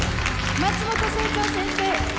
松本清張先生